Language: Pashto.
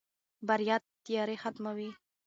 بریا تیارې ختموي.